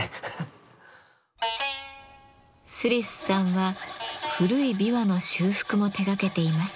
スリスさんは古い琵琶の修復も手がけています。